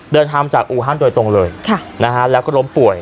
เดินทำจากอูฮันโดยตรงเลยค่ะนะฮะแล้วก็ล้มป่วย